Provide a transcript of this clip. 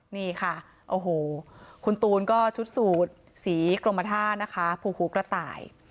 นี่ค่ะโอ้โหคุณตูนก็ชุดสูตรสีกรมท่านะคะภูหูกระต่าย